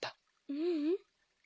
ううん。